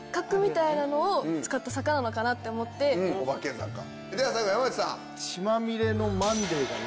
・確かに・では最後山内さん。